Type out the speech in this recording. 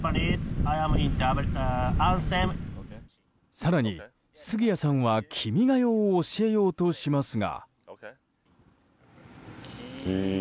更に、杉谷さんは「君が代」を教えようとしますが。